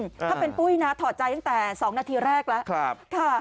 ถ้าเป็นปุ้ยนะถอดใจตั้งแต่๒นาทีแรกแล้ว